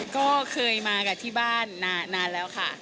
ก็เคยมากับที่บ้านนานแล้วค่ะ